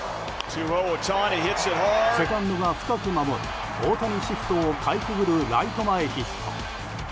セカンドが深く守る大谷シフトをかいくぐるライト前ヒット。